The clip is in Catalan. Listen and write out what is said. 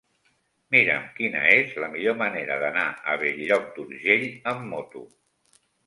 Mira'm quina és la millor manera d'anar a Bell-lloc d'Urgell amb moto.